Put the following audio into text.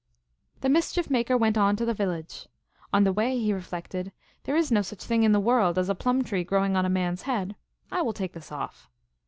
The Mischief Maker went on to the village. On the way he reflected, " There is no such thing in the world as a plum tree growing on a man s head. I will take this off."